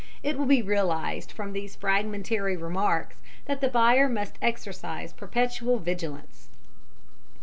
It will be realised from these fragmentary remarks that the buyer must exercise perpetual vigilance.